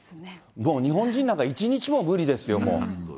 もう日本人なんか１日も無理ですよ、もう。